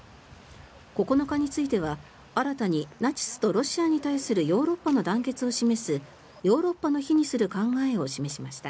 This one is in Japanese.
９日については新たにナチスとロシアに対するヨーロッパの団結を示すヨーロッパの日にする考えを示しました。